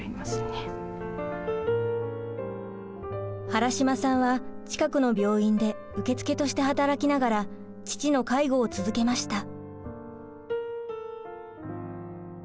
原島さんは近くの病院で受付として働きながら父の介護を続けました。